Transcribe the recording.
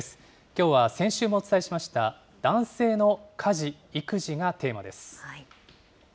きょうは、先週もお伝えしました、男性の家事・育児がテーマです。